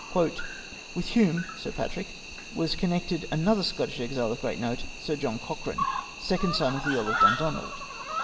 " With Hume (Sir Patrick) was connected another Scottish exile of great note. Sir John Cochrane, second son of the Earl of Dundonald.